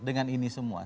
dengan ini semua